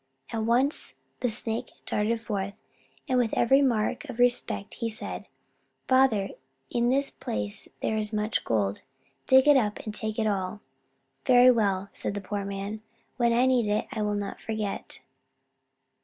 At once the Snake darted forth, and with every mark of respect he said: "Father, in this place there is much gold. Dig it up and take it all." "Very well," said the poor man. "When I need it, I will not forget."